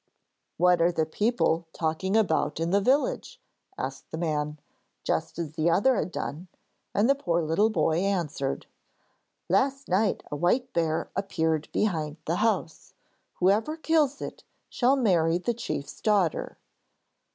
'What are the people talking about in the village?' asked the man, just as the other had done, and the poor little boy answered: 'Last night a white bear appeared behind the house. Whoever kills it shall marry the chief's daughter.'